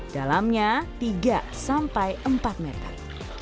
dalamnya tiga sampai empat meter